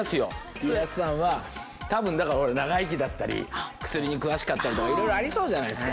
家康さんは多分だからほら長生きだったり薬に詳しかったりとかいろいろありそうじゃないですか。